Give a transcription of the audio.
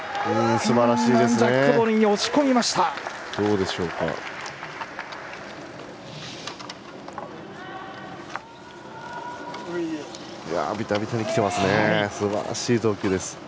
すばらしい投球です。